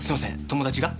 友達が。